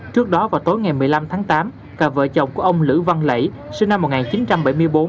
trước đó vào tối ngày một mươi năm tháng tám cặp vợ chồng của ông lữ văn lẫy sinh năm một nghìn chín trăm bảy mươi bốn